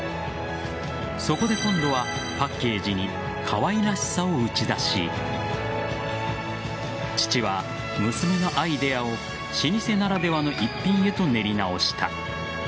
そこで今度はパッケージにかわいらしさを打ち出し父は娘のアイデアを老舗ならではの逸品へと練り直した。